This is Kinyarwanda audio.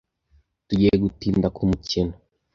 Tugiye gutinda kumukino.